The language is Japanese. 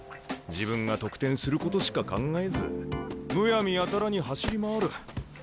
自分が得点することしか考えずむやみやたらに走り回る。